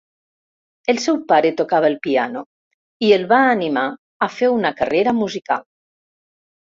El seu pare tocava el piano i el va animar a fer una carrera musical.